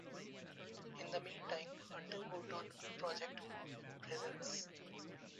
In the meantime Hunter worked on a new project, "Presence".